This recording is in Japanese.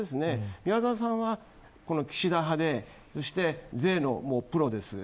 宮沢さんは、岸田派で税のプロです。